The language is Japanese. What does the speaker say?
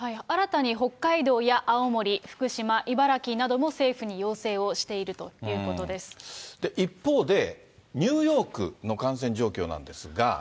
新たに北海道や青森、福島、茨城なども政府に要請をしている一方で、ニューヨークの感染状況なんですが。